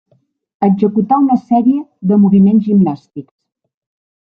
Executar una sèrie de moviments gimnàstics.